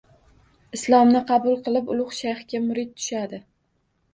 Islomni qabul qilib, ulugʻ shayxga murid tushadi